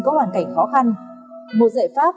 có hoàn cảnh khó khăn một giải pháp